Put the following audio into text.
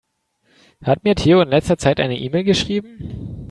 Hat mir Theo in letzter Zeit eine E-Mail geschrieben?